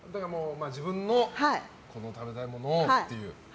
自分の食べたいものをっていう。